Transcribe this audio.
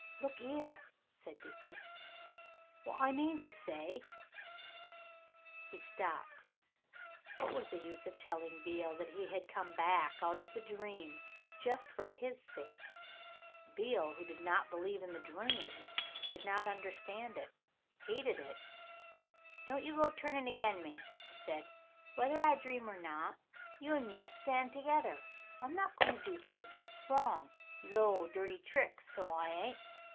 "Look 'ere," said Dickie, "what I mean to say " He stopped. What was the use of telling Beale that he had come back out of the dream just for his sake? Beale who did not believe in the dream did not understand it hated it? "Don't you go turning agin me," he said; "whether I dream or not, you and me'll stand together. I'm not goin' to do things wot's wrong low, dirty tricks so I ain't.